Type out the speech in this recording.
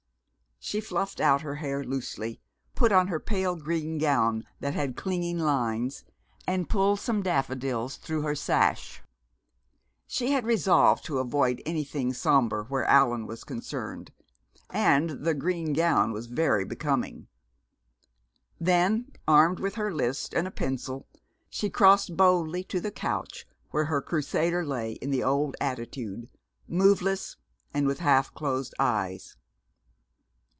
She fluffed out her hair loosely, put on her pale green gown that had clinging lines, and pulled some daffodils through her sash. She had resolved to avoid anything sombre where Allan was concerned and the green gown was very becoming. Then, armed with her list and a pencil, she crossed boldly to the couch where her Crusader lay in the old attitude, moveless and with half closed eyes.